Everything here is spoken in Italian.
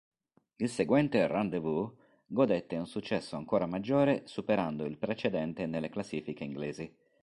Il seguente "Rendez-Vu" godette un successo ancora maggiore superando il precedente nelle classifiche inglesi.